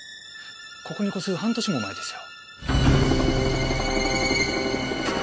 ここに越す半年も前ですよ。